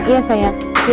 udah mulai ya